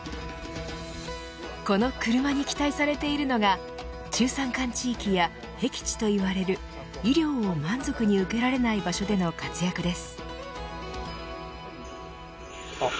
この車に期待されているのが中山間地域やへき地といわれる医療を満足に受けられない場所での活躍です。